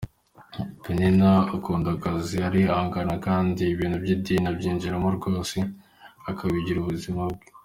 Peninah akunda akazi, arihangana kandi ibintu by’idini abyinjiramo rwose akabigira ubuzima bwe.